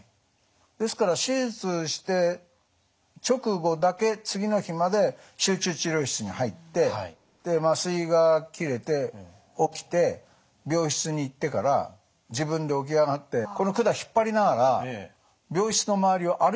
ですから手術して直後だけ次の日まで集中治療室に入ってで麻酔が切れて起きて病室に行ってから自分で起き上がってこの管引っ張りながら病室の周りを歩いてたんですよ。